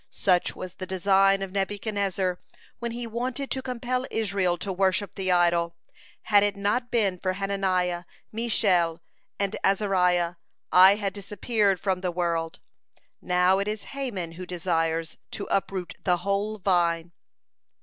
Such was the design of Nebuchadnezzar when he wanted to compel Israel to worship the idol. Had it not been for Hananiah, Mishael, and Azariah, I had disappeared from the world. Now it is Haman who desires to uproot the whole vine."